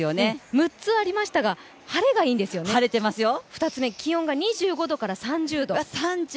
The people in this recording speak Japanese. ６つありましたが、晴れがいいんですよね、２つめは、気温が２５度から３０度。